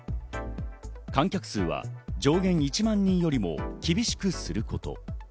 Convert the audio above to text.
観客数は上限１万人よりも厳しくすること。